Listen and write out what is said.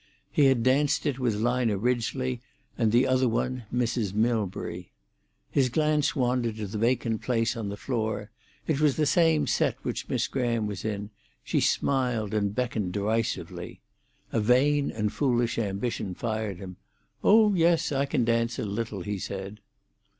He had danced it with Lina Ridgely and the other one, Mrs. Milbury. His glance wandered to the vacant place on the floor; it was the same set which Miss Graham was in; she smiled and beckoned derisively. A vain and foolish ambition fired him. "Oh yes, I can dance a little," he said.